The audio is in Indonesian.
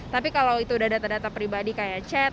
tapi kalau itu udah data data pribadi kayak chat